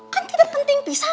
kan tidak penting pisah